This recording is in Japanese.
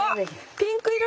ピンク色。